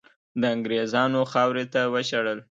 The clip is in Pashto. د انګریزانو خاورې ته وشړل.